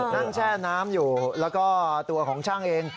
แช่น้ำอยู่แล้วก็ตัวของช่างเอง